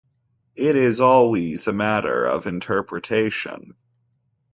It is always a matter of interpretation.